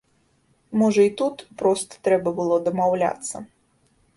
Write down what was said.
Можа, і тут проста трэба было дамаўляцца?